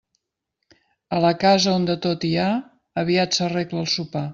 A la casa on de tot hi ha, aviat s'arregla el sopar.